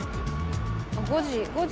５時。